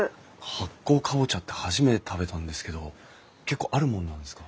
発酵カボチャって初めて食べたんですけど結構あるもんなんですか？